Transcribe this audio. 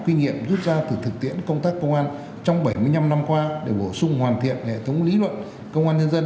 kinh nghiệm rút ra từ thực tiễn công tác công an trong bảy mươi năm năm qua để bổ sung hoàn thiện hệ thống lý luận công an nhân dân